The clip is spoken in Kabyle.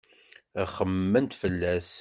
Ad xemmement fell-as.